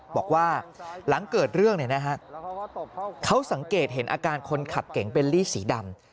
บอกว่าหลังเกิดเรื่องเขาสังเกตเห็นอาการคนขับเก๋งเบลลี่สีดำ